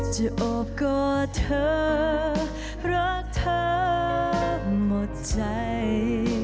โอบกอดเธอรักเธอหมดใจ